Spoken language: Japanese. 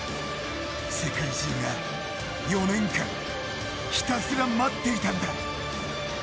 世界中が４年間ひたすら待っていたんだ。